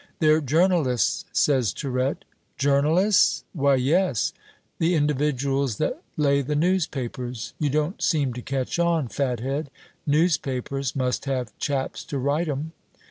"They're journalists," says Tirette. "Journalists?" "Why, yes, the individuals that lay the newspapers. You don't seem to catch on, fathead. Newspapers must have chaps to write 'em."